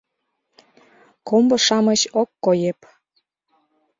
Комбо-шамыч ок коеп